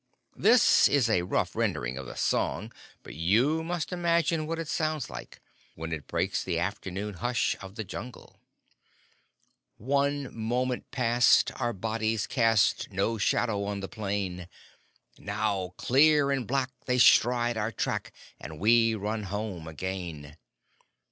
This is a rough rendering of the song, but you must imagine what it sounds like when it breaks the afternoon hush of the Jungle: One moment past our bodies cast No shadow on the plain; Now clear and black they stride our track, And we run home again.